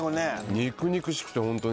肉々しくてホントに。